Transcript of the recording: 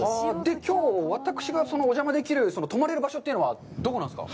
きょう私がお邪魔できる泊まれる場所というのは、どこなんですか？